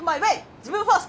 自分ファースト。